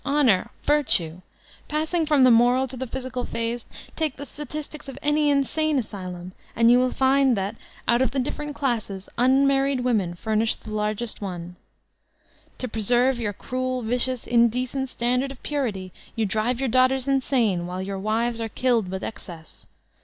Honor! Virtue!! Passing from the moral to the physical phase; take the statistics of any insane asylum, and you will find that, out of the different classes, unmarried women furnish the larg est cne* To preserve your cruel, vicious, indecent stan dard of purity (?) you drive your daughters insane, while your wives are killed with excess.